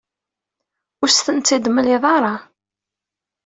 Ur asent-tt-id-temliḍ ara.